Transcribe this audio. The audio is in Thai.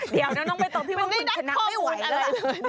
เดี๋ยวน้องน้องไปตบว่านี่ผู้คุณใช่ครับไม่ไหวอ่ะ